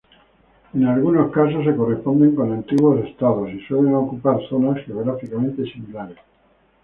En algunos casos se corresponden con antiguos estados, y suelen ocupar zonas geográficamente similares.